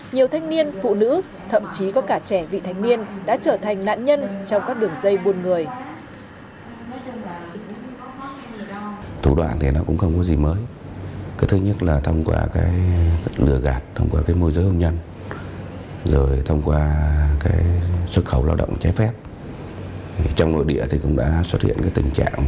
nhiều thanh niên phụ nữ thậm chí có cả trẻ vị thanh niên đã trở thành nạn nhân trong các đường dây buôn người